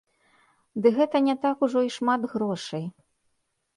Ды гэта не так ужо і шмат грошай.